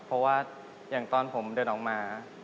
เพราะว่าอย่างตอนผมเดินออกมา